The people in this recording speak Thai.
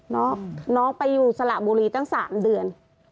น้องไปอยู่สระบุรีตั้ง๓เดือน